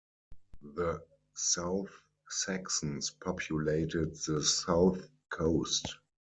The South Saxons populated the south coast.